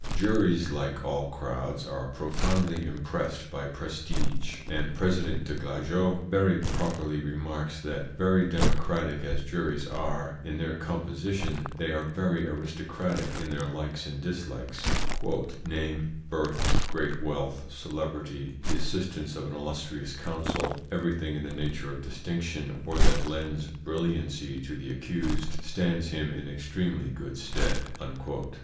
Juries, like all crowds, are profoundly impressed by prestige, and President des Glajeux very properly remarks that, very democratic as juries are in their composition, they are very aristocratic in their likes and dislikes: "Name, birth, great wealth, celebrity, the assistance of an illustrious counsel, everything in the nature of distinction or that lends brilliancy to the accused, stands him in extremely good stead."